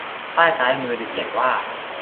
ป้ายซ้ายมือจะเขียนว่า